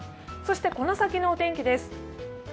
そしてこの先のお天気です。